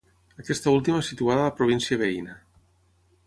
Aquesta última situada a la província veïna.